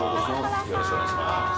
よろしくお願いします